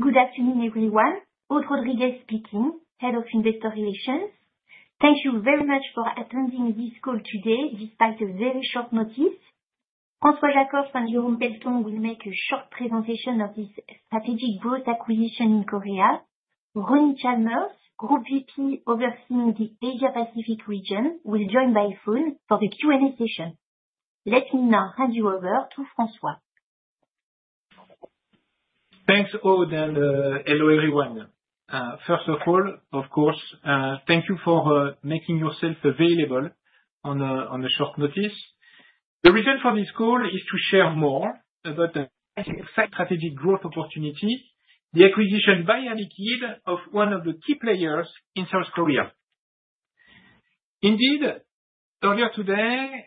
Good afternoon, everyone. Aude Rodriguez speaking, Head of Investor Relations. Thank you very much for attending this call today despite the very short notice. François Jackow and Jérôme Pelletan will make a short presentation of this strategic growth acquisition in Korea. Ronnie Chalmers, Group VP overseeing the Asia-Pacific region, will join by phone for the Q&A session. Let me now hand you over to François. Thanks, Aude, and hello, everyone. First of all, of course, thank you for making yourself available on the short notice. The reason for this call is to share more about the strategic growth opportunity: the acquisition by Air Liquide of one of the key players in South Korea. Indeed, earlier today,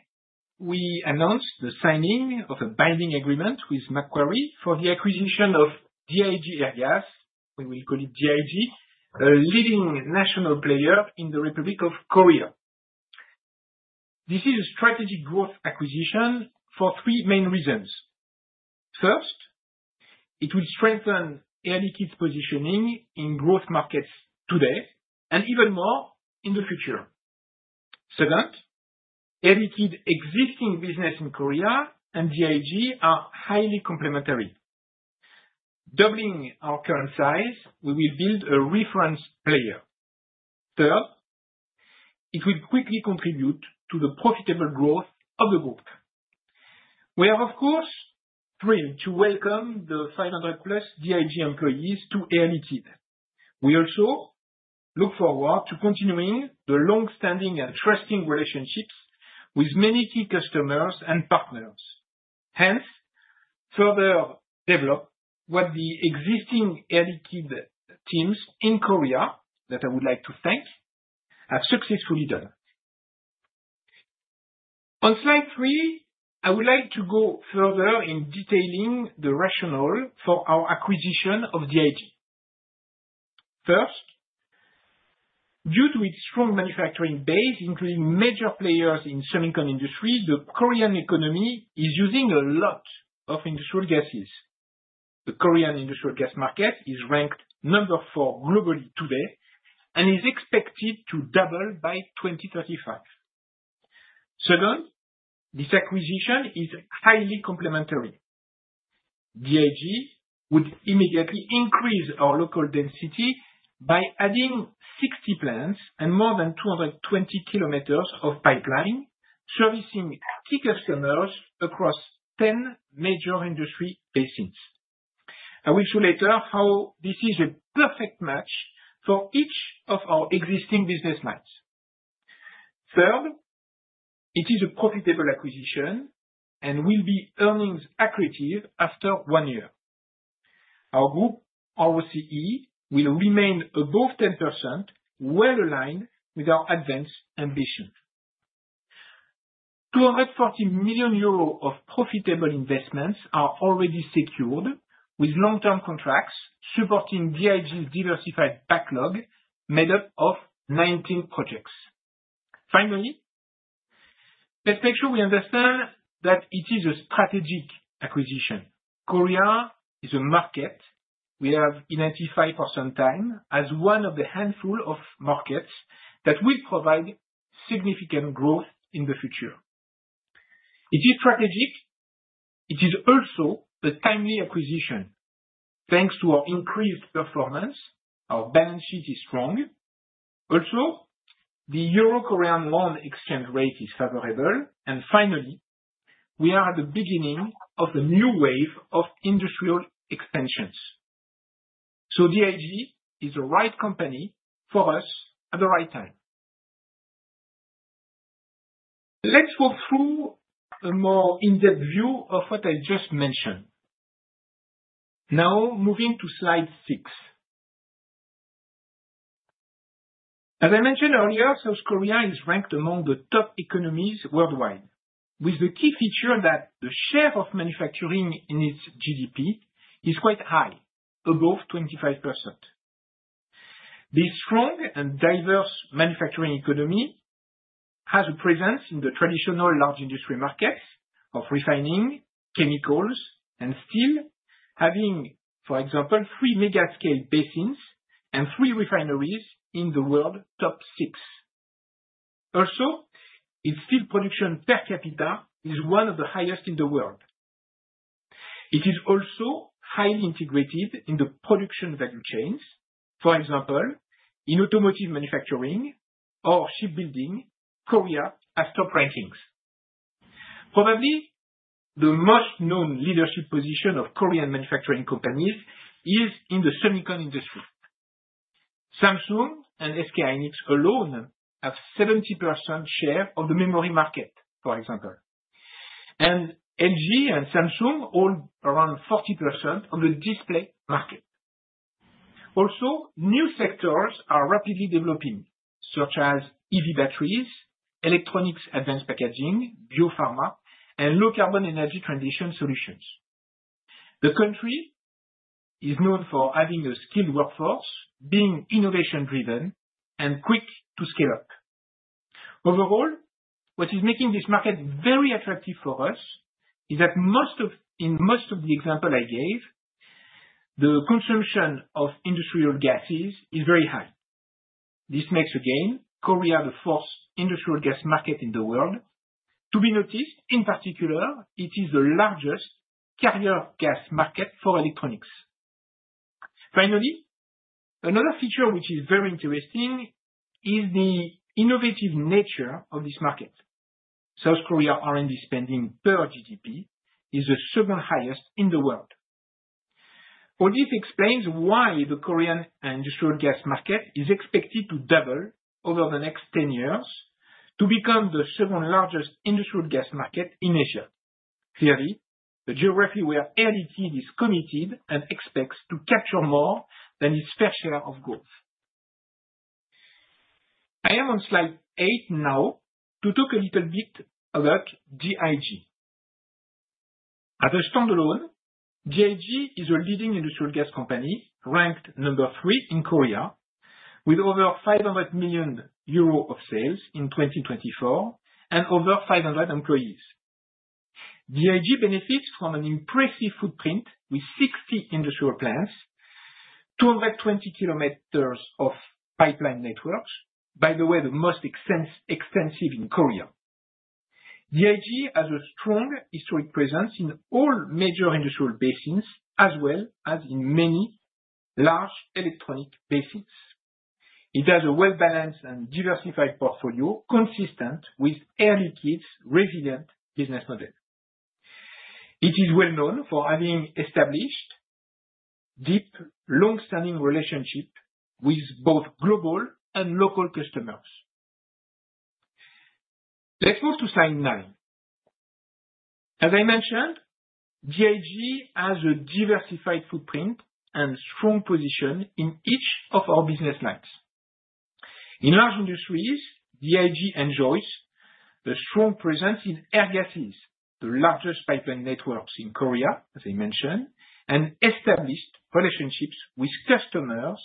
we announced the signing of a binding agreement with Macquarie for the acquisition of DIG Airgas. We will call it DIG, the leading national player in the Republic of Korea. This is a strategic growth acquisition for three main reasons. First, it will strengthen Air Liquide's positioning in growth markets today and even more in the future. Second, Air Liquide's existing business in Korea and DIG are highly complementary. Doubling our current size, we will build a reference player. Third, it will quickly contribute to the profitable growth of the group. We are, of course, thrilled to welcome the 500+ DIG employees to Air Liquide. We also look forward to continuing the longstanding and trusting relationships with many key customers and partners. Hence, further develop what the existing Air Liquide teams in Korea that I would like to thank have successfully done. On slide three, I would like to go further in detailing the rationale for our acquisition of DIG. First, due to its strong manufacturing base, including major players in the semiconductor industry, the Korean economy is using a lot of industrial gases. The Korean industrial gas market is ranked number four globally today and is expected to double by 2025. Second, this acquisition is highly complementary. DIG would immediately increase our local density by adding 60 plants and more than 220 km of pipeline, servicing key customers across 10 major industry basins. I will show later how this is a perfect match for each of our existing business lines. Third, it is a profitable acquisition and will be earnings accretive after one year. Our group ROCE will remain above 10%, well aligned with our advanced ambitions. 240 million euros of profitable investments are already secured with long-term contracts supporting DIG's diversified backlog made up of 19 projects. Finally, let's make sure we understand that it is a strategic acquisition. Korea is a market we have in 95% time as one of the handful of markets that will provide significant growth in the future. It is strategic. It is also a timely acquisition. Thanks to our increased performance, our balance sheet is strong. Also, the Euro-Korean Won exchange rate is favorable. Finally, we are at the beginning of the new wave of industrial expansions. DIG is the right company for us at the right time. Let's go through a more in-depth view of what I just mentioned. Now, moving to slide six. As I mentioned earlier, South Korea is ranked among the top economies worldwide with the key feature that the share of manufacturing in its GDP is quite high, above 25%. The strong and diverse manufacturing economy has a presence in the traditional large industry markets of refining, chemicals, and steel, having, for example, three mega-scale basins and three refineries in the world top six. Its steel production per capita is one of the highest in the world. It is also highly integrated in the production value chains. For example, in automotive manufacturing or shipbuilding, Korea has top rankings. Probably the most known leadership position of Korean manufacturing companies is in the semiconductor industry. Samsung and SK Hynix alone have a 70% share of the memory market, for example. LG and Samsung hold around 40% on the display market. New sectors are rapidly developing, such as EV batteries, electronics advanced packaging, biopharma, and low-carbon energy transition solutions. The country is known for having a skilled workforce, being innovation-driven, and quick to scale up. Overall, what is making this market very attractive for us is that in most of the examples I gave, the consumption of industrial gases is very high. This makes, again, Korea the fourth industrial gas market in the world to be noticed. In particular, it is the largest carrier gas market for electronics. Another feature which is very interesting is the innovative nature of this market. South Korea's R&D spending per GDP is the second highest in the world. All this explains why the Korean industrial gas market is expected to double over the next 10 years to become the second largest industrial gas market in Asia. Clearly, the geography where Air Liquide is committed and expects to capture more than its fair share of growth. I am on slide eight now to talk a little bit about DIG. As a standalone, DIG is a leading industrial gas company, ranked number three in Korea, with over 500 million euros of sales in 2024 and over 500 employees. DIG benefits from an impressive footprint with 60 industrial plants, 220 km of pipeline networks, by the way, the most extensive in Korea. DIG has a strong historic presence in all major industrial basins, as well as in many large electronic basins. It has a well-balanced and diversified portfolio consistent with Air Liquide's resilient business model. It is well known for having established deep, longstanding relationships with both global and local customers. Let's move to slide nine. As I mentioned, DIG has a diversified footprint and strong position in each of our business lines. In large industries, DIG enjoys a strong presence in air gases, the largest pipeline networks in Korea, as I mentioned, and established relationships with customers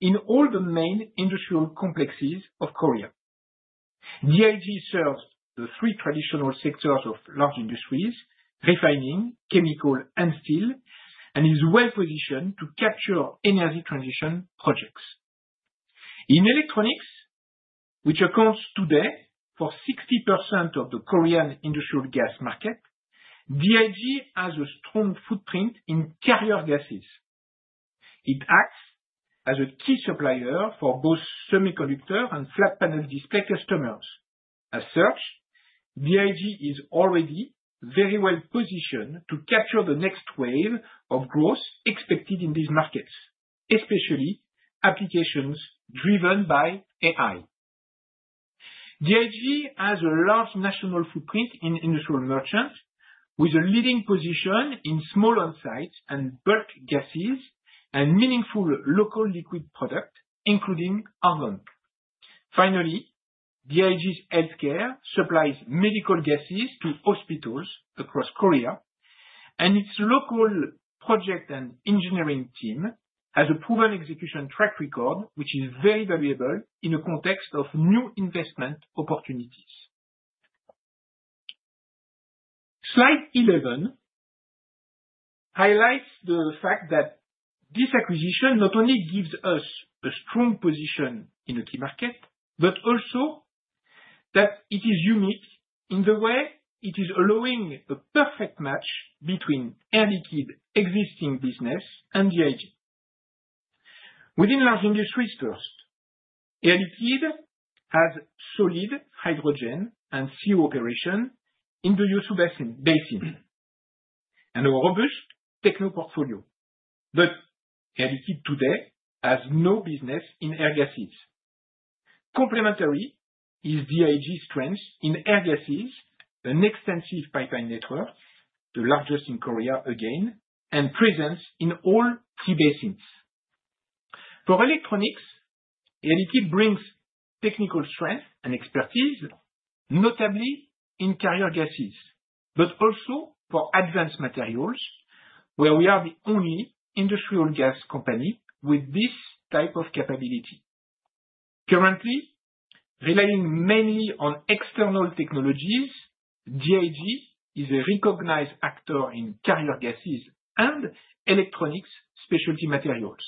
in all the main industrial complexes of Korea. DIG serves the three traditional sectors of large industries: refining, chemical, and steel, and is well positioned to capture energy transition projects. In electronics, which accounts today for 60% of the Korean industrial gas market, DIG has a strong footprint in carrier gases. It acts as a key supplier for both semiconductor and flat panel display customers. As such, DIG is already very well positioned to capture the next wave of growth expected in these markets, especially applications driven by AI. DIG has a large national footprint in industrial merchants, with a leading position in small on-site and bulk gases and meaningful local liquid products, including argon. Finally, DIG's healthcare supplies medical gases to hospitals across Korea, and its local project and engineering team has a proven execution track record, which is very valuable in the context of new investment opportunities. Slide 11 highlights the fact that this acquisition not only gives us a strong position in a key market, but also that it is unique in the way it is allowing a perfect match between Air Liquide's existing business and DIG. Within large industries first, Air Liquide has solid hydrogen and carbon monoxide operation in the Yeosu basin and a robust techno portfolio. Air Liquide today has no business in air gases. Complementary is DIG's strength in air gases, an extensive pipeline network, the largest in Korea again, and presence in all key basins. For electronics, Air Liquide brings technical strength and expertise, notably in carrier gases, but also for advanced materials, where we are the only industrial gas company with this type of capability. Currently, relying mainly on external technologies, DIG is a recognized actor in carrier gases and electronics specialty materials.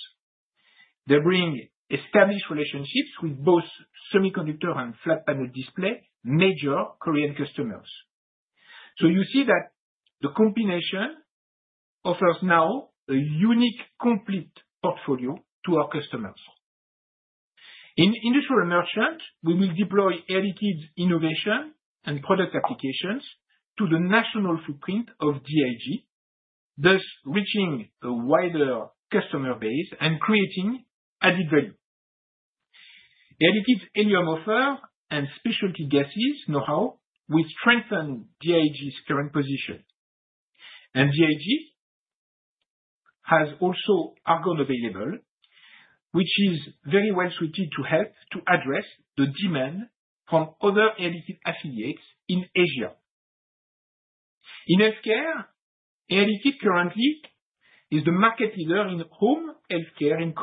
They bring established relationships with both semiconductor and flat panel display major Korean customers. You see that the combination offers now a unique, complete portfolio to our customers. In Industrial Merchant, we will deploy Air Liquide's innovation and product applications to the national footprint of DIG, thus reaching a wider customer base and creating added value. Air Liquide's helium offer and specialty gases know-how will strengthen DIG's current position. DIG has also argon available, which is very well suited to help to address the demand from other Air Liquide affiliates in Asia. In healthcare, Air Liquide currently is the market leader in home healthcare in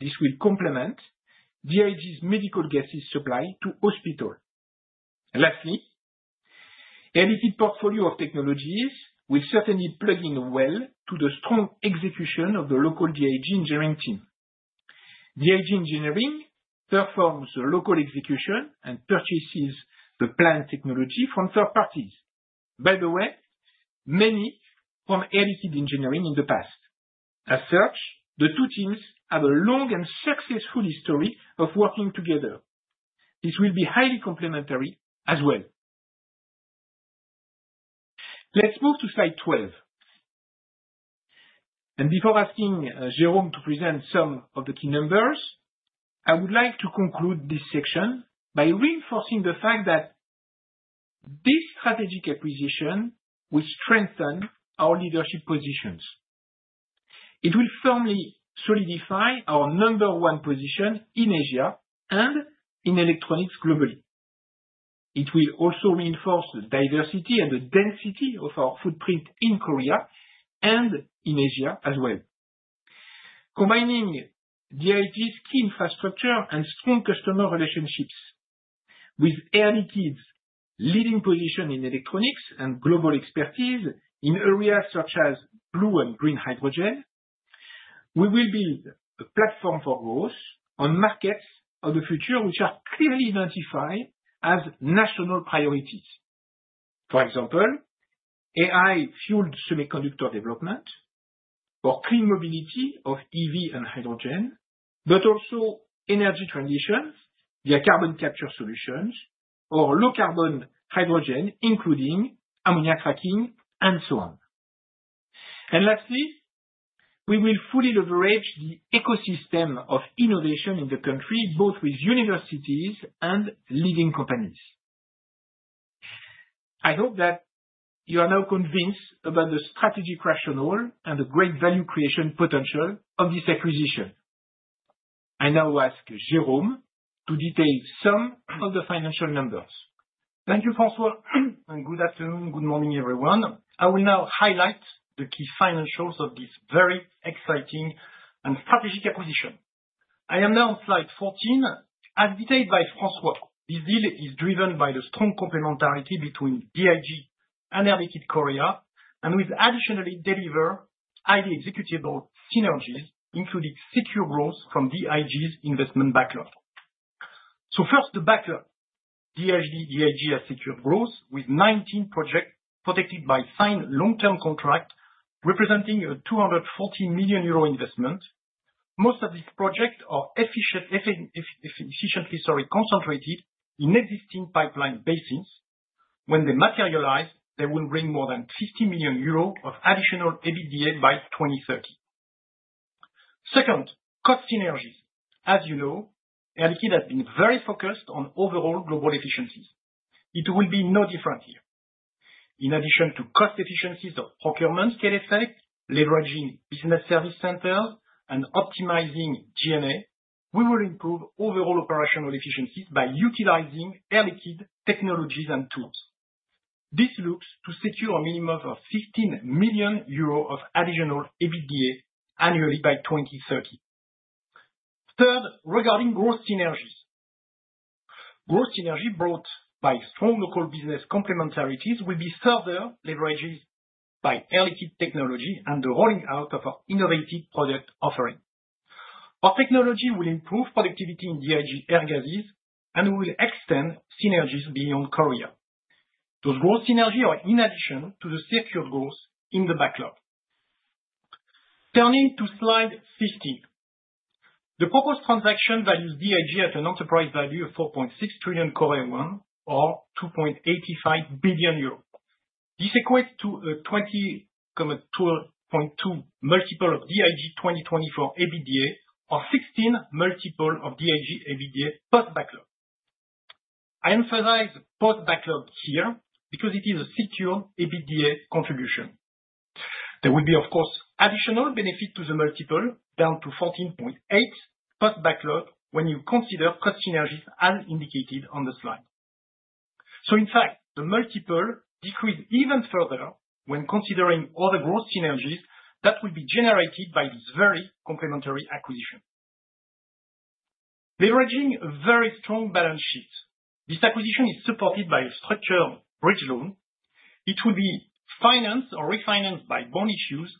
Korea. This will complement DIG's medical gas supply to hospitals. Lastly, Air Liquide's portfolio of technologies will certainly plug in well to the strong execution of the local DIG engineering team. DIG engineering performs the local execution and purchases the planned technology from third parties, many from Air Liquide Engineering in the past. As such, the two teams have a long and successful history of working together. This will be highly complementary as well. Let's move to slide 12. Before asking Jérôme to present some of the key numbers, I would like to conclude this section by reinforcing the fact that this strategic acquisition will strengthen our leadership positions. It will firmly solidify our number one position in Asia and in electronics globally. It will also reinforce the diversity and the density of our footprint in Korea and in Asia as well. Combining DIG's key infrastructure and strong customer relationships with Air Liquide's leading position in electronics and global expertise in areas such as blue and green hydrogen, we will build a platform for growth on markets of the future which are clearly identified as national priorities. For example, AI-fueled semiconductor development or clean mobility of EV and hydrogen, also energy transitions via carbon capture solutions or low-carbon hydrogen, including ammonia cracking and so on. Lastly, we will fully leverage the ecosystem of innovation in the country, both with universities and leading companies. I hope that you are now convinced about the strategic rationale and the great value creation potential of this acquisition. I now ask Jérôme to detail some of the financial numbers. Thank you, François, and good afternoon, good morning, everyone. I will now highlight the key financials of this very exciting and strategic acquisition. I am now on slide 14, as detailed by François. This deal is driven by the strong complementarity between DIG and Air Liquide Korea, and will additionally deliver highly executable synergies, including secure growth from DIG's investment backlog. First, the backlog. DIG has secured growth with 19 projects protected by signed long-term contracts representing a 240 million euro investment. Most of these projects are efficiently concentrated in existing pipeline basins. When they materialize, they will bring more than 60 million euros of additional EBITDA by 2030. Second, cost synergies. As you know, Air Liquide has been very focused on overall global efficiency. It will be no different here. In addition to cost efficiencies of procurement, scale effect, leveraging business service centers, and optimizing G&A, we will improve overall operational efficiencies by utilizing Air Liquide technologies and tools. This looks to secure a minimum of 16 million euros of additional EBITDA annually by 2030. Third, regarding growth synergies. Growth synergy brought by strong local business complementarities will be further leveraged by Air Liquide technology and the rolling out of our innovative product offering. Our technology will improve productivity in DIG air gases and will extend synergies beyond Korea. Those growth synergies are in addition to the secured growth in the backlog. Turning to slide 15. The proposed transaction values DIG at an enterprise value of 4.6 trillion or 2.85 billion euros. This equates to a 20.2 multiple of DIG 2024 EBITDA or 16 multiple of DIG EBITDA post backlog. I emphasize post backlog here because it is a secured EBITDA contribution. There would be, of course, additional benefit to the multiple down to 14.8 post backlog when you consider threat synergies as indicated on the slide. In fact, the multiple decreases even further when considering all the growth synergies that will be generated by this very complementary acquisition. Leveraging a very strong balance sheet, this acquisition is supported by a structured bridge loan. It will be financed or refinanced by bond issues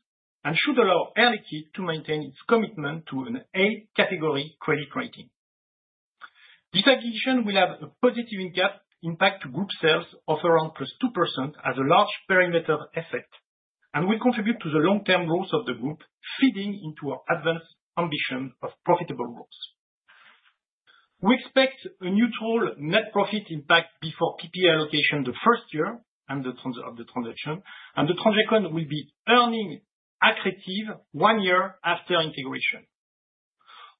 and should allow Air Liquide to maintain its commitment to an A-category credit rating. This acquisition will have a positive impact to group sales of around +2% as a large perimeter effect and will contribute to the long-term growth of the group, feeding into our advanced ambition of profitable growth. We expect a neutral net profit impact before PPI allocation the first year of the transaction, and the transaction will be earning attractive one year after integration.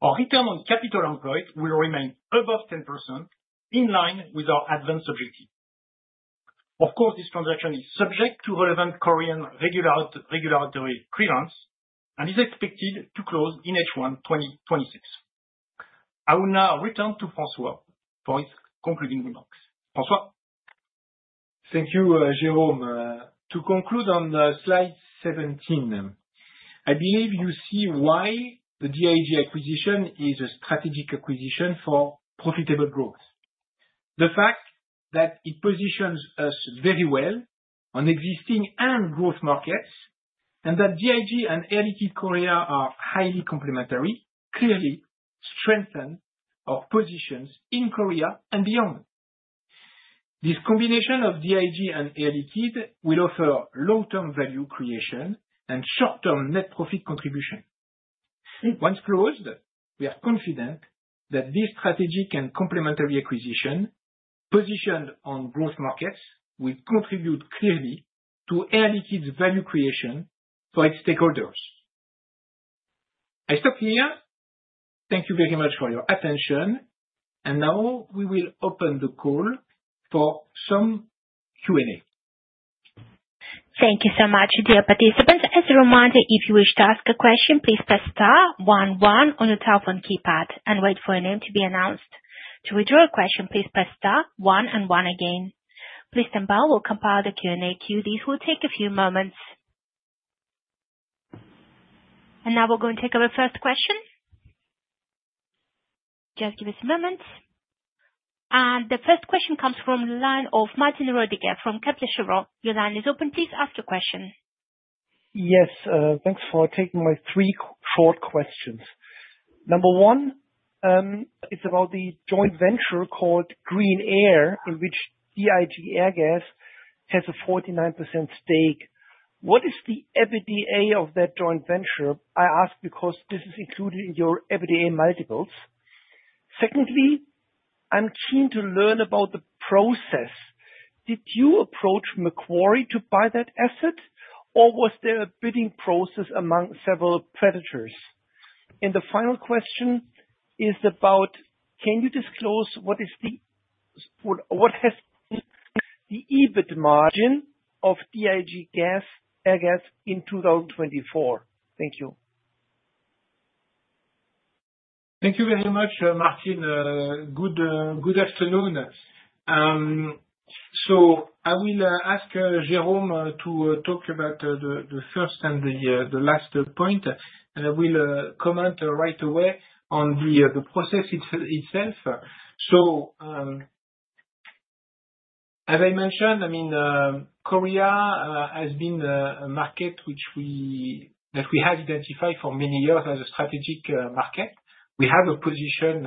Our return on capital employed will remain above 10%, in line with our advanced objective. Of course, this transaction is subject to relevant Korean regulatory clearance and is expected to close in H1 2026. I will now return to François for his concluding remarks. François. Thank you, Jérôme. To conclude on slide 17, I believe you see why the DIG acquisition is a strategic acquisition for profitable growth. The fact that it positions us very well on existing and growth markets, and that DIG and Air Liquide Korea are highly complementary, clearly strengthens our positions in Korea and beyond. This combination of DIG and Air Liquide will offer long-term value creation and short-term net profit contribution. Once closed, we are confident that this strategic and complementary acquisition positioned on growth markets will contribute clearly to Air Liquide's value creation for its stakeholders. I stop here. Thank you very much for your attention. Now we will open the call for some Q&A. Thank you so much, dear participants. As a reminder, if you wish to ask a question, please press star one one on your telephone keypad and wait for your name to be announced. To withdraw a question, please press star one one again. Please stand by. We'll compile the Q&A queue. This will take a few moments. Now we're going to take our first question. Just give us a moment. The first question comes from the line of Martin Roediger from Kepler Cheuvreux. Your line is open. Please ask your question. Yes, thanks for taking my three short questions. Number one, it's about the joint venture called Green Air, in which DIG Airgas has a 49% stake. What is the EBITDA of that joint venture? I ask because this is included in your EBITDA multiples. Secondly, I'm keen to learn about the process. Did you approach Macquarie to buy that asset, or was there a bidding process among several predators? The final question is about, can you disclose what is the EBITDA margin of DIG Airgas in 2024? Thank you. Thank you very much, Martin. Good afternoon. I will ask Jérôme to talk about the first and the last point, and I will comment right away on the process itself. As I mentioned, Korea has been a market which we have identified for many years as a strategic market. We have a position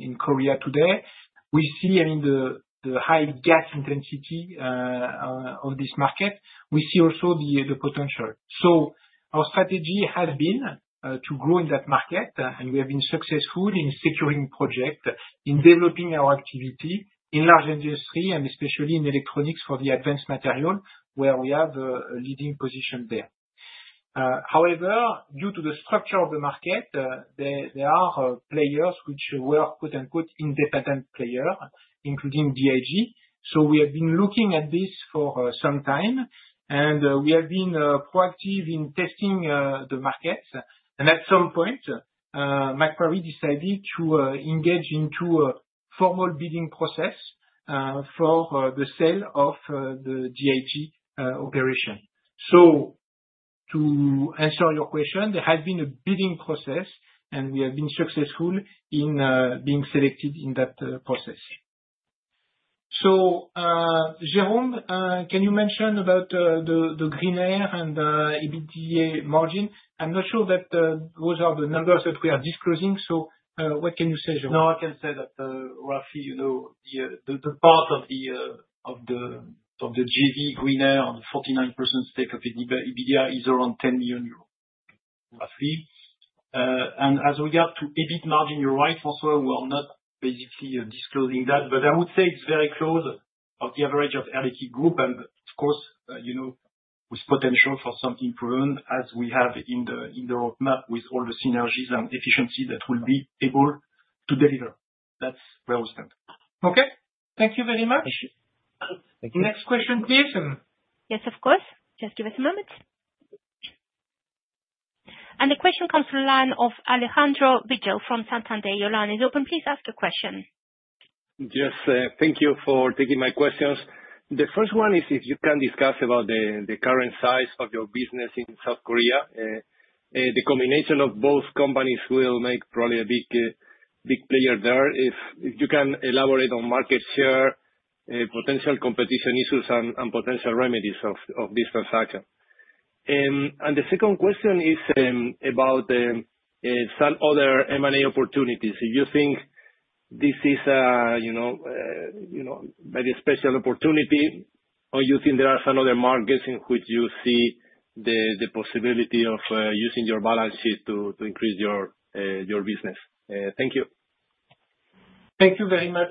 in Korea today. We see the high gas intensity of this market. We see also the potential. Our strategy has been to grow in that market, and we have been successful in securing projects, in developing our activity in large industry, and especially in electronics for the advanced material where we have a leading position there. However, due to the structure of the market, there are players which were "independent players," including DIG. We have been looking at this for some time, and we have been proactive in testing the markets. At some point, Macquarie decided to engage into a formal bidding process for the sale of the DIG operation. To answer your question, there has been a bidding process, and we have been successful in being selected in that process. Jérôme, can you mention about the Green Air and the EBITDA margin? I'm not sure that those are the numbers that we are disclosing. What can you say, Jérôme? No, I can say that roughly, you know, the part of the JV Green Air on the 49% stake of EBITDA is around 10 million euros. As regards to EBIT margin, you're right, François, we are not basically disclosing that, but I would say it's very close to the average of Air Liquide Group. Of course, you know, with potential for something proven as we have in the roadmap with all the synergies and efficiencies that we'll be able to deliver. That's where we stand. Okay, thank you very much. Thank you. Next question, please. Yes, of course. Just give us a moment. The question comes from the line of Alejandro Vigil from Santander. Your line is open. Please ask a question. Yes, thank you for taking my questions. The first one is if you can discuss about the current size of your business in Korea. The combination of both companies will make probably a big player there. If you can elaborate on market share, potential competition issues, and potential remedies of this transaction. The second question is about some other M&A opportunities. If you think this is a very special opportunity, or you think there are some other markets in which you see the possibility of using your balance sheet to increase your business. Thank you. Thank you very much,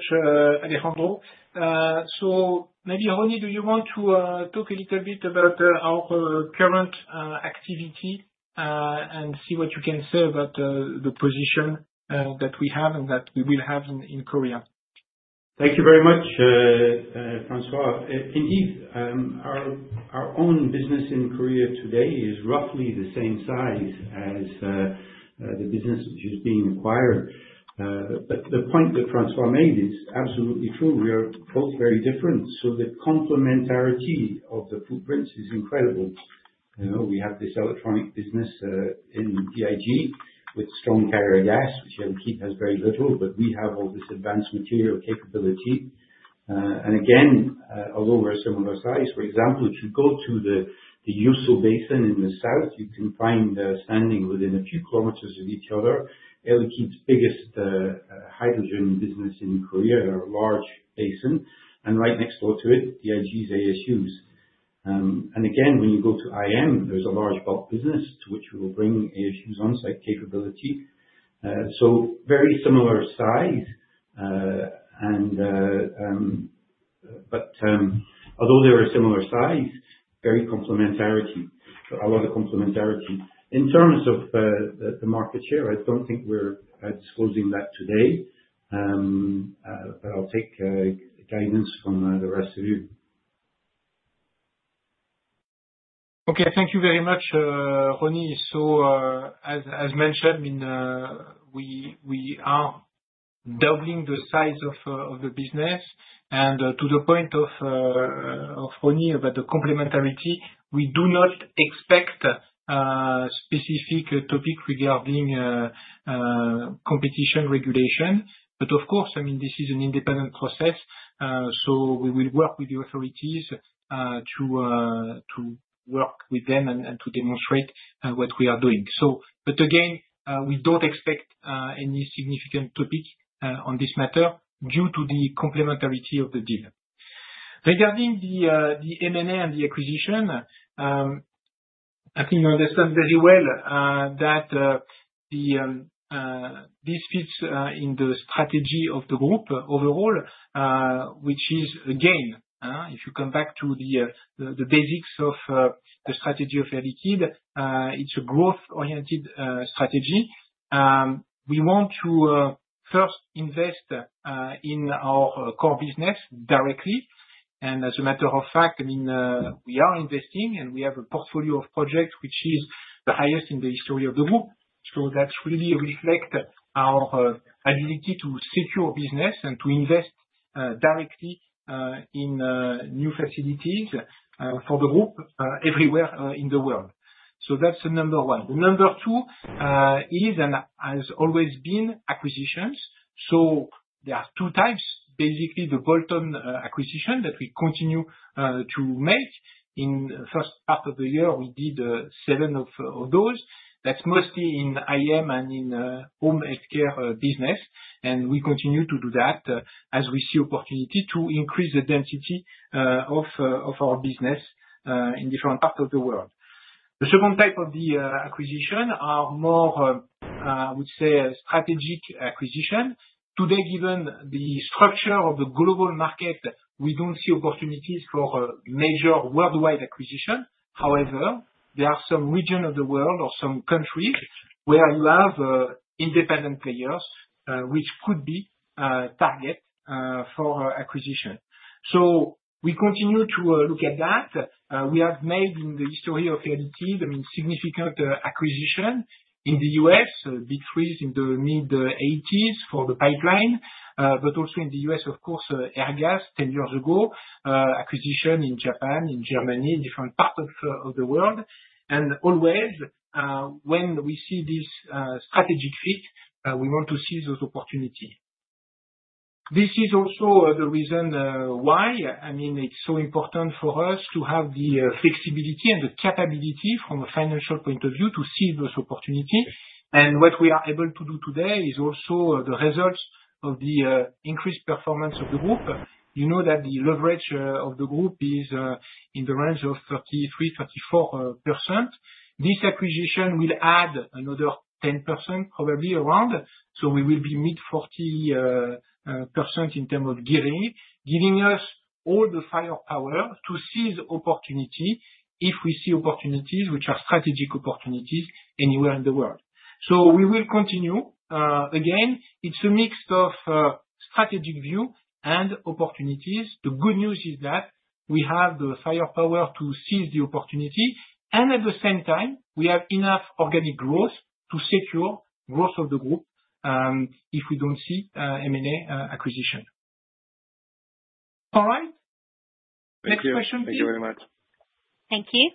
Alejandro. Ronnie, do you want to talk a little bit about our current activity and see what you can say about the position that we have and that we will have in Korea? Thank you very much, François. Indeed, our own business in Korea today is roughly the same size as the business which is being acquired. The point that François made is absolutely true. We are both very different. The complementarity of the footprint is incredible. I know we have this electronic business in DIG with strong carrier gases, which Air Liquide has very little, but we have all this advanced material capability. Again, although we're a similar size, for example, if you go to the Yeosu basin in the south, you can find standing within a few kilometers of each other, Air Liquide's biggest hydrogen business in Korea, a large basin. Right next door to it, DIG's ASUs. Again, when you go to IM, there's a large bulk business to which we will bring ASUs on-site capability. Very similar size. Although they're a similar size, very complementary. A lot of complementarity. In terms of the market share, I don't think we're exposing that today. I'll take guidance from the rest of you. Okay. Thank you very much, Ronnie. As mentioned, we are doubling the size of the business. To the point of Ronnie about the complementarity, we do not expect a specific topic regarding competition regulation. Of course, this is an independent process. We will work with the authorities to work with them and to demonstrate what we are doing. Again, we don't expect any significant topic on this matter due to the complementarity of the deal. Regarding the M&A and the acquisition, I think you understand very well that this fits in the strategy of the group overall, which is, again, if you come back to the basics of the strategy of Air Liquide, it's a growth-oriented strategy. We want to first invest in our core business directly. As a matter of fact, we are investing and we have a portfolio of projects which is the highest in the history of the group. That really reflects our ability to secure business and to invest directly in new facilities for the group everywhere in the world. That's the number one. The number two is, and has always been, acquisitions. There are two types. Basically, the bolt-on acquisition that we continue to make. In the first part of the year, we did seven of those. That's mostly in IM and in home healthcare business. We continue to do that as we see opportunity to increase the density of our business in different parts of the world. The second type of the acquisition are more, I would say, strategic acquisitions. Today, given the structure of the global market, we don't see opportunities for major worldwide acquisitions. However, there are some regions of the world or some countries where you have independent players which could be a target for acquisition. We continue to look at that. We have made in the history of Air Liquide significant acquisitions in the U.S., big freeze in the mid-1980s for the pipeline, but also in the U.S., of course, Airgas 10 years ago, acquisitions in Japan, in Germany, in different parts of the world. Always, when we see this strategic fit, we want to seize those opportunities. This is also the reason why it's so important for us to have the flexibility and the capability from a financial point of view to seize those opportunities. What we are able to do today is also the result of the increased performance of the group. You know that the leverage of the group is in the range of 33%, 34%. This acquisition will add another 10%, probably around. We will be mid-40% in terms of giving us all the firepower to seize opportunities if we see opportunities which are strategic opportunities anywhere in the world. We will continue. Again, it's a mix of strategic view and opportunities. The good news is that we have the firepower to seize the opportunity. At the same time, we have enough organic growth to secure the growth of the group if we don't see M&A acquisition. All right. Next question, please. Thank you very much. Thank you.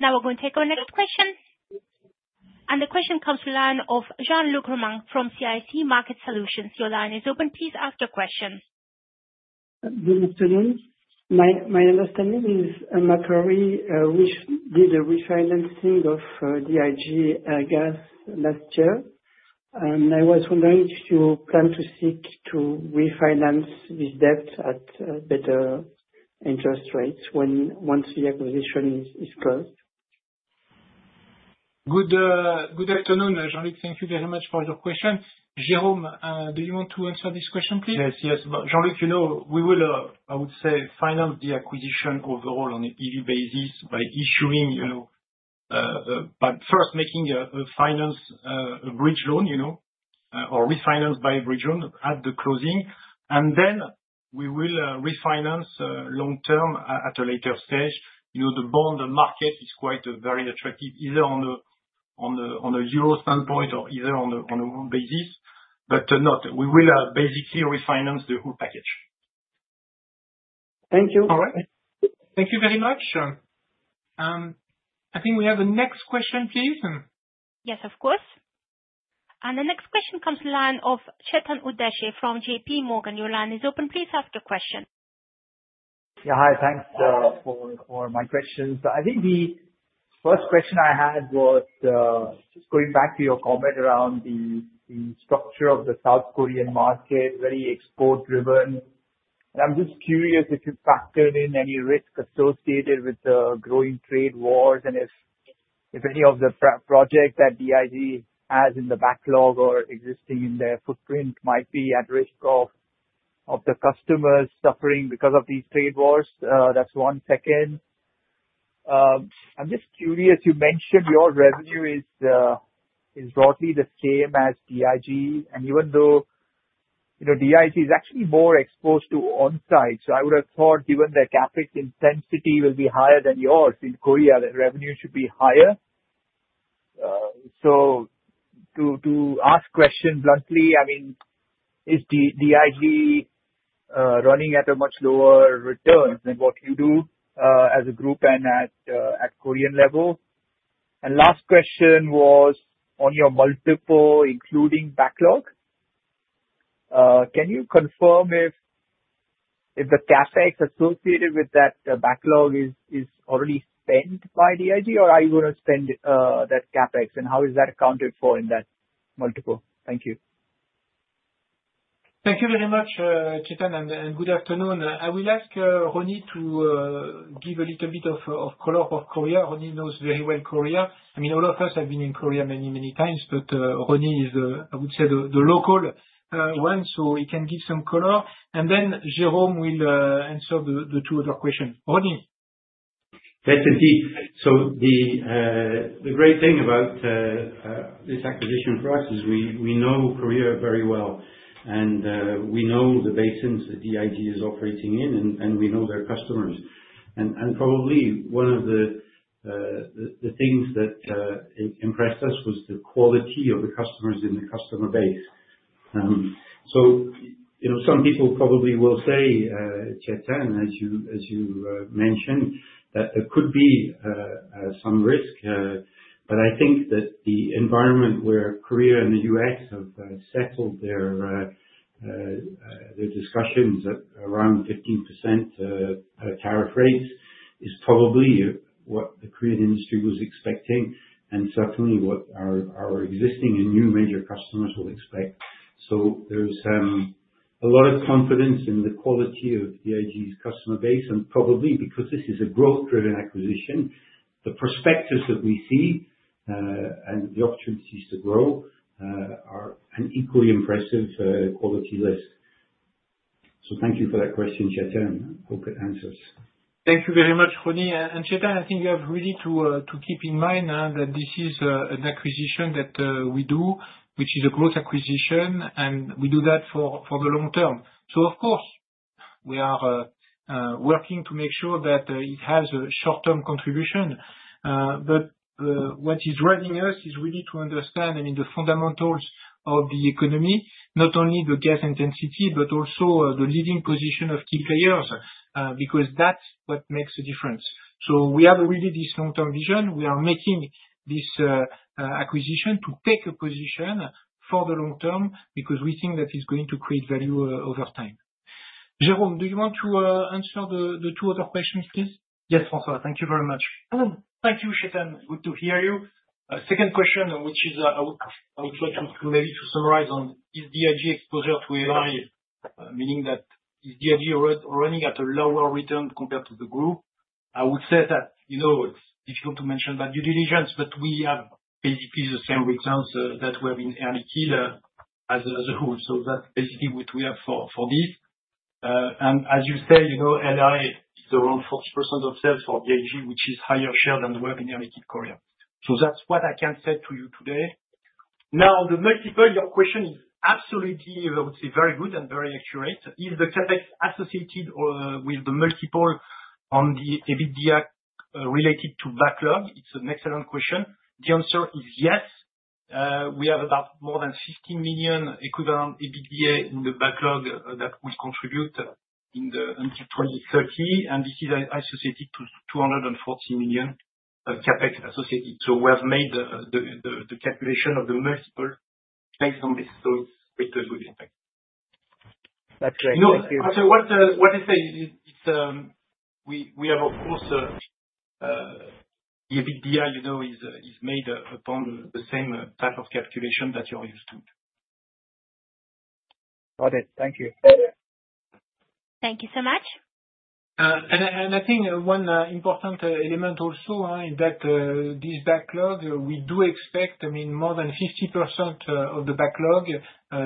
Now we're going to take our next question. The question comes from the line of Jean-Luc Romain from CIC Market Solutions. Your line is open. Please ask your question. My understanding is Macquarie did a refinancing of DIG Airgas last year. I was wondering if you plan to seek to refinance this debt at better interest rates once the acquisition is closed. Good afternoon, Jean-Luc. Thank you very much for your question. Jérôme, do you want to answer this question, please? Yes, Jean-Luc, you know, we will, I would say, finance the acquisition overall on an EV basis by issuing, you know, first making a finance, a bridge loan, or refinance by a bridge loan at the closing. Then we will refinance long-term at a later stage. You know, the bond market is quite very attractive, either on a euro standpoint or either on a loan basis, but not. We will basically refinance the whole package. Thank you. All right. Thank you very much. I think we have the next question, please. Yes, of course. The next question comes from the line of Chetan Udeshi from JPMorgan. Your line is open. Please ask your question. Yeah, hi. Thanks for my question. I think the first question I had was going back to your comment around the structure of the South Korean market, very export-driven. I'm just curious if you factored in any risk associated with the growing trade wars and if any of the projects that DIG has in the backlog or existing in their footprint might be at risk of the customers suffering because of these trade wars. That's one. Second, I'm just curious. You mentioned your revenue is broadly the same as DIG's, and even though DIG is actually more exposed to on-site, I would have thought given that the CapEx intensity will be higher than yours in Korea, that revenue should be higher. To ask the question bluntly, is DIG running at a much lower return than what you do as a group and at the Korean level? The last question was on your multiple, including backlog. Can you confirm if the CapEx associated with that backlog is already spent by DIG, or are you going to spend that CapEx, and how is that accounted for in that multiple? Thank you. Thank you very much, Chetan, and good afternoon. I will ask Ronnie to give a little bit of color of Korea. Ronnie knows very well Korea. I mean, all of us have been in Korea many, many times, but Ronnie is, I would say, the local one, so he can give some color. Jérôme will answer the two other questions. Ronnie. Definitely. The great thing about this acquisition for us is we know Korea very well. We know the basins that DIG is operating in, and we know their customers. Probably one of the things that impressed us was the quality of the customers in the customer base. Some people probably will say, Chetan, as you mentioned, it could be some risk. I think that the environment where Korea and the U.S. have settled their discussions at around 15% tariff rates is probably what the Korean industry was expecting and certainly what our existing and new major customers will expect. There is a lot of confidence in the quality of DIG's customer base. Probably because this is a growth-driven acquisition, the prospectives that we see and the opportunities to grow are an equally impressive quality list. Thank you for that question, Chetan. I hope it answers. Thank you very much, Ronnie. Chetan, I think you have really to keep in mind that this is an acquisition that we do, which is a growth acquisition, and we do that for the long term. Of course, we are working to make sure that it has a short-term contribution. What is driving us is really to understand the fundamentals of the economy, not only the gas intensity, but also the leading position of key players because that's what makes the difference. We have really this long-term vision. We are making this acquisition to take a position for the long term because we think that it's going to create value over time. Jérôme, do you want to answer the two other questions, please? Yes, François. Thank you very much. Thank you, Chetan. Good to hear you. Second question, which is I would like to maybe summarize on, is DIG exposure to AI, meaning that is DIG running at a lower return compared to the group? I would say that, you know, it's difficult to mention that due diligence, but we have basically the same returns that we have in Air Liquide as a whole. That's basically what we have for this. As you say, you know, AI is around 40% of sales for DIG, which is a higher share than we have in Air Liquide Korea. That's what I can say to you today. Now, the multiple, your question is absolutely, I would say, very good and very accurate. Is the CapEx associated with the multiple on the EBITDA related to backlog? It's an excellent question. The answer is yes. We have about more than 60 million equivalent EBITDA in the backlog that would contribute in the until 2030. This is associated to 240 million of CapEx associated. We have made the calculation of the multiple based on this. It's great to hear you. That's great. Thank you. We have, of course, the EBITDA, you know, is made upon the same type of calculation that you're used to. Got it. Thank you. Thank you so much. I think one important element also is that this backlog, we do expect, I mean, more than 50% of the backlog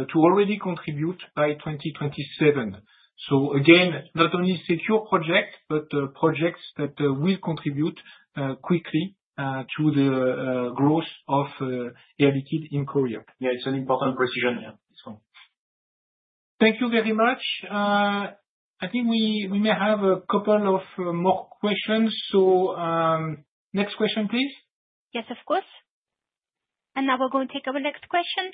to already contribute by 2027. Again, not only secure projects, but projects that will contribute quickly to the growth of Air Liquide in Korea. Yeah, it's an important precision here. Thank you very much. I think we may have a couple more questions. Next question, please. Yes, of course. We are going to take our next question.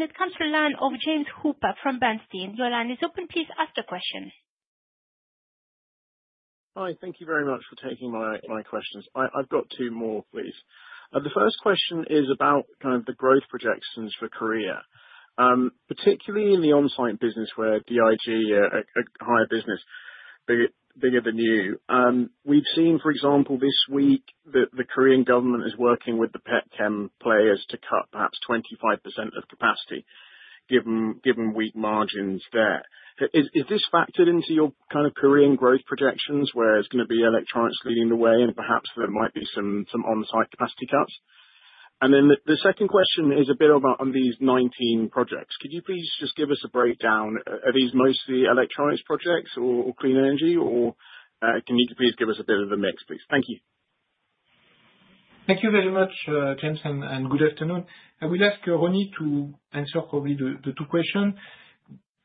It comes from the line of James Hooper from Bernstein. Your line is open. Please ask the question. Hi. Thank you very much for taking my questions. I've got two more, please. The first question is about the growth projections for Korea, particularly in the on-site business where DIG, a higher business, bigger than you. We've seen, for example, this week that the Korean government is working with the petchem players to cut perhaps 25% of capacity, given weak margins there. Is this factored into your Korean growth projections where it's going to be electronics leading the way and perhaps there might be some on-site capacity cuts? The second question is a bit about these 19 projects. Could you please just give us a breakdown? Are these mostly electronics projects or clean energy, or can you please give us a bit of a mix, please? Thank you. Thank you very much, James, and good afternoon. I would ask Ronnie to answer probably the two questions.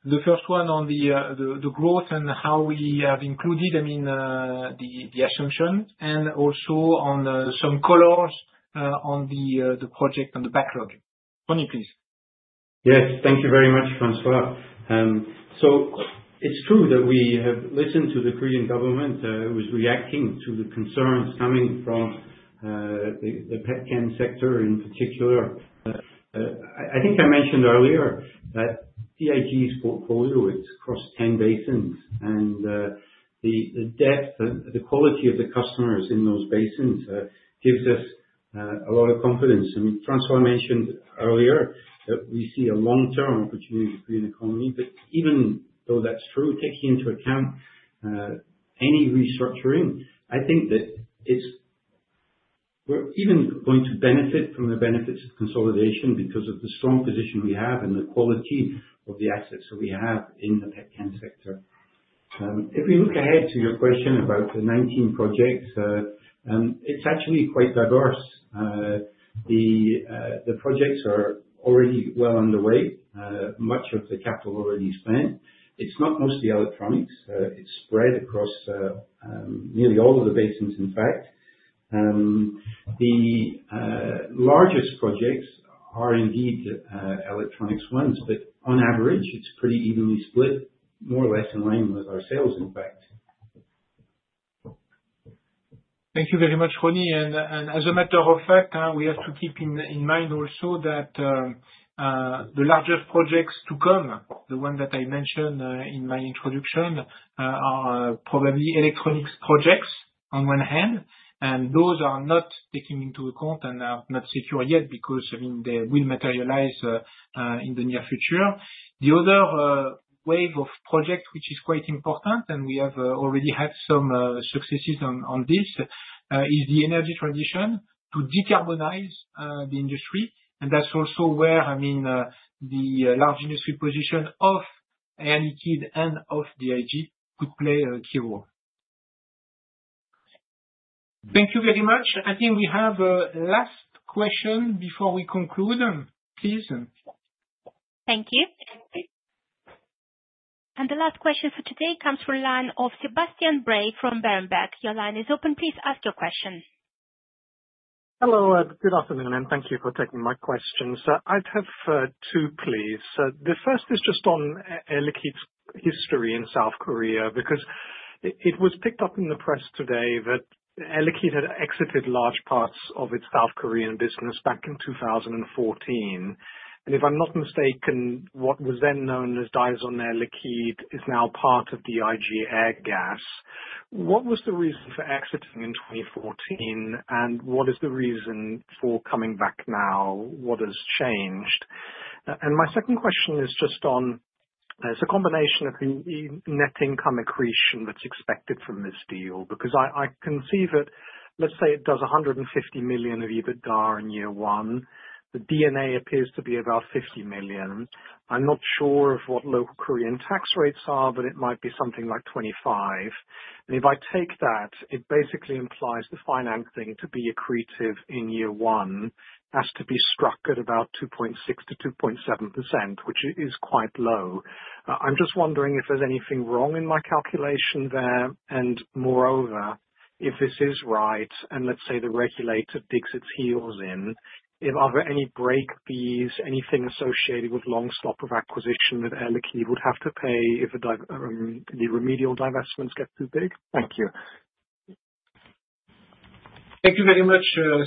The first one on the growth and how we have included the assumption and also on some colors on the project on the backlog. Ronnie, please. Yes, thank you very much, François. It's true that we have listened to the Korean government who is reacting to the concerns coming from the petchem sector in particular. I think I mentioned earlier that DIG's portfolio is across 10 basins. The depth and the quality of the customers in those basins gives us a lot of confidence. François mentioned earlier that we see a long-term opportunity for the Korean economy. Even though that's true, taking into account any restructuring, I think that we're even going to benefit from the benefits of consolidation because of the strong position we have and the quality of the assets that we have in the petchem sector. If we look ahead to your question about the 19 projects, it's actually quite diverse. The projects are already well underway. Much of the capital is already spent. It's not mostly electronics. It's spread across nearly all of the basins, in fact. The largest projects are indeed electronics ones. On average, it's pretty evenly split, more or less in line with our sales, in fact. Thank you very much, Ronnie. As a matter of fact, we have to keep in mind also that the largest projects to come, the ones that I mentioned in my introduction, are probably electronics projects on one hand. Those are not taken into account and are not secured yet because they will materialize in the near future. The other wave of projects, which is quite important, and we have already had some successes on this, is the energy transition to decarbonize the industry. That is also where the large industry position of Air Liquide and of DIG could play a key role. Thank you very much. I think we have a last question before we conclude. Please. Thank you. The last question for today comes from the line of Sebastian Bray from Berenberg. Your line is open. Please ask your question. Hello. Good afternoon, and thank you for taking my questions. I'd have two, please. The first is just on Air Liquide's history in Korea because it was picked up in the press today that Air Liquide had exited large parts of its Korean business back in 2014. If I'm not mistaken, what was then known as Daesan Air Liquide is now part of DIG Airgas. What was the reason for exiting in 2014? What is the reason for coming back now? What has changed? My second question is just on, it's a combination of the net income accretion that's expected from this deal because I can see that, let's say, it does $150 million of EBITDA in year one. The D&A appears to be about $50 million. I'm not sure of what local Korean tax rates are, but it might be something like 25%. If I take that, it basically implies the financing to be accretive in year one has to be struck at about 2.6%-2.7%, which is quite low. I'm just wondering if there's anything wrong in my calculation there. Moreover, if this is right and let's say the regulator digs its heels in, are there any break fees, anything associated with long stop of acquisition that Air Liquide would have to pay if the remedial divestments get too big? Thank you. Thank you very much,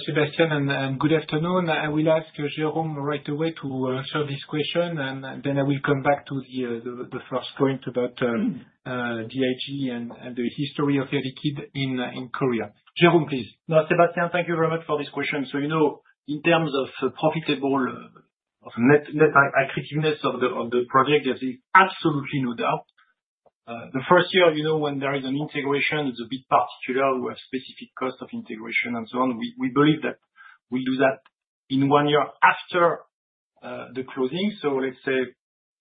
Sebastian, and good afternoon. I will ask Jérôme right away to share this question, and then I will come back to the first point about DIG and the history of Air Liquide in Korea. Jérôme, please. No, Sebastian, thank you very much for this question. In terms of profitable net accretiveness of the project, there's absolutely no doubt. The first year, when there is an integration, it's a bit particular with specific cost of integration and so on. We believe that we'll do that in one year after the closing. Let's say a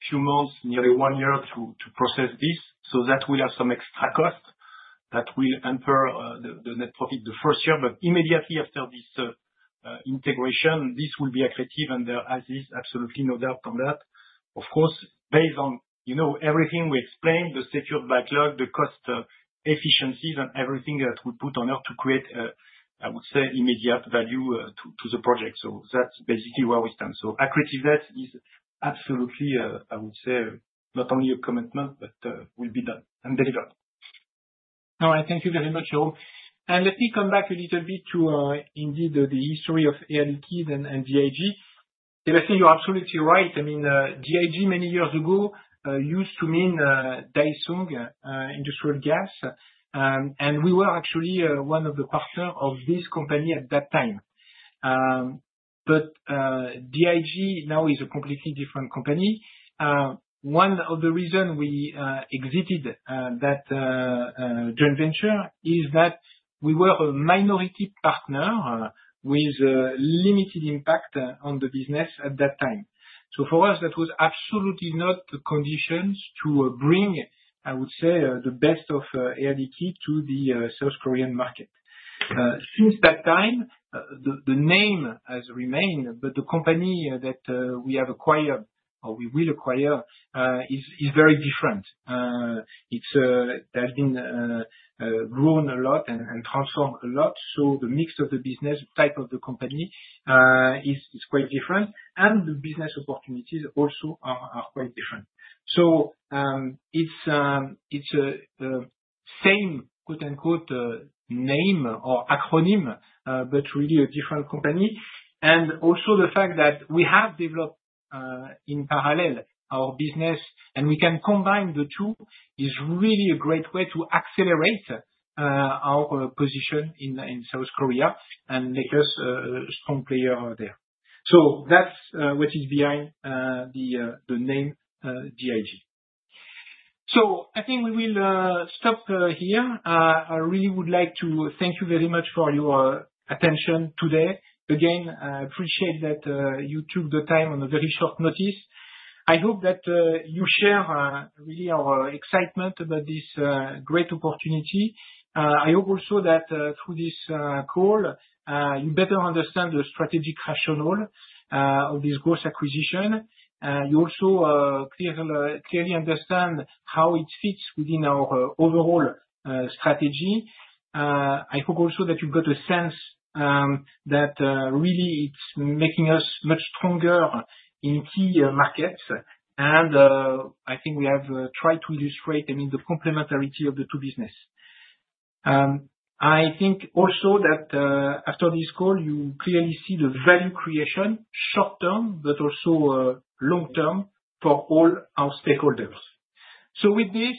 few months, nearly one year to process this. That will have some extra cost that will enter the net profit the first year. Immediately after this integration, this will be accretive and there is absolutely no doubt on that. Of course, based on everything we explained, the secured backlog, the cost efficiencies, and everything that we put on earth to create, I would say, immediate value to the project. That's basically where we stand. Accretive debt is absolutely, I would say, not only a commitment, but will be done and delivered. All right. Thank you very much, Jérôme. Let me come back a little bit to the history of Air Liquide and DIG. Sebastian, you're absolutely right. I mean, DIG many years ago used to mean Daesung Industrial Gases. We were actually one of the partners of this company at that time. DIG now is a completely different company. One of the reasons we exited that joint venture is that we were a minority partner with limited impact on the business at that time. For us, that was absolutely not the conditions to bring, I would say, the best of Air Liquide to the South Korean market. Since that time, the name has remained, but the company that we have acquired or we will acquire is very different. It has grown a lot and transformed a lot. The mix of the business, the type of the company is quite different. The business opportunities also are quite different. It's the same, quote-unquote, name or acronym, but really a different company. Also, the fact that we have developed in parallel our business and we can combine the two is really a great way to accelerate our position in South Korea and make us a strong player there. That's what is behind the name DIG. I really would like to thank you very much for your attention today. Again, I appreciate that you took the time on a very short notice. I hope that you share really our excitement about this great opportunity. I hope also that through this call, you better understand the strategic rationale of this growth acquisition. You also clearly understand how it fits within our overall strategy. I hope also that you've got a sense that really it's making us much stronger in key markets. I think we have tried to illustrate the complementarity of the two businesses. I think also that after this call, you clearly see the value creation short term, but also long term for all our stakeholders. With this,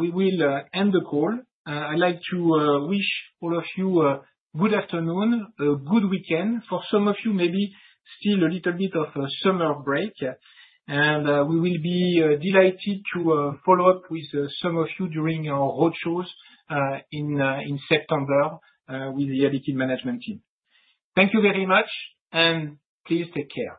we will end the call. I'd like to wish all of you a good afternoon, a good weekend. For some of you, maybe still a little bit of a summer break. We will be delighted to follow up with some of you during our roadshows in September with the Air Liquide management team. Thank you very much, and please take care.